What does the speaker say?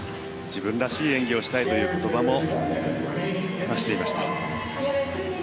自分らしい演技をしたいということも話していました。